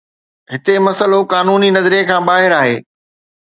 هتي مسئلو قانوني نظريي کان ٻاهر آهي